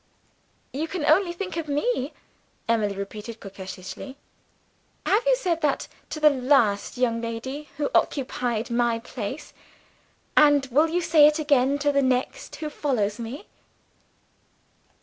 "You can only think of Me," Emily repeats coquettishly. "Have you said that to the last young lady who occupied my place, and will you say it again to the next who follows me?"